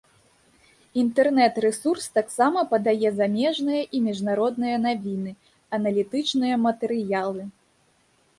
Інтэрнэт-рэсурс таксама падае замежныя і міжнародныя навіны, аналітычныя матэрыялы.